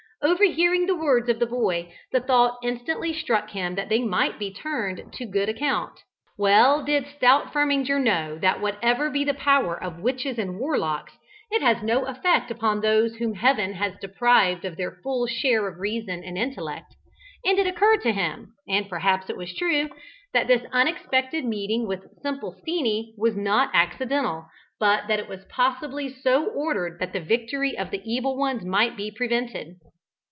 Overhearing the words of the boy, the thought instantly struck him that they might be turned to good account. Well did stout Firminger know that whatever be the power of witches and warlocks, it has no effect upon those whom Heaven has deprived of their full share of reason and intellect, and it occurred to him (and perhaps it was true) that this unexpected meeting with "Simple Steenie" was not accidental, but that it was possibly so ordered, that the victory of the evil ones might be prevented.